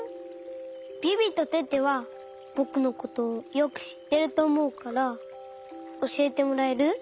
ビビとテテはぼくのことよくしってるとおもうからおしえてもらえる？